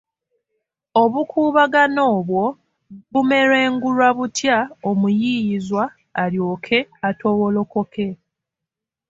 Obukuubagano obwo bumerengulwa butya omuyiiyizwa alyoke atoowolokoke?